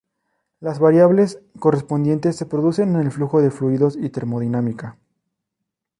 Las variables correspondientes se producen en el flujo de fluidos y la termodinámica.